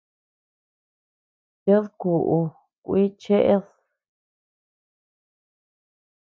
Ted kuʼu kui cheʼed.